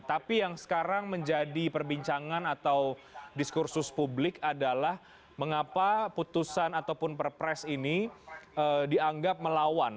tapi yang sekarang menjadi perbincangan atau diskursus publik adalah mengapa putusan ataupun perpres ini dianggap melawan